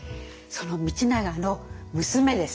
その道長の娘です。